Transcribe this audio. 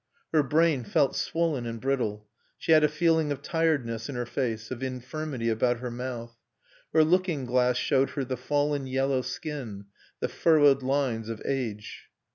Her brain felt swollen and brittle, she had a feeling of tiredness in her face, of infirmity about her mouth. Her looking glass showed her the fallen yellow skin, the furrowed lines of age.